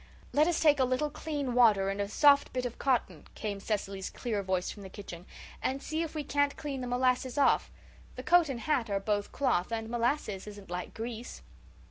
"Let us take a little clean water and a soft bit of cotton," came Cecily's clear voice from the kitchen, "and see if we can't clean the molasses off. The coat and hat are both cloth, and molasses isn't like grease."